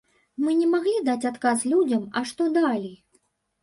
Мы не маглі даць адказ людзям, а што далей?